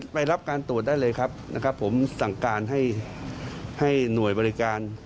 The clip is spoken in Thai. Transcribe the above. ไปรับการตรวจได้เลยครับนะครับผมสั่งการให้ให้หน่วยบริการ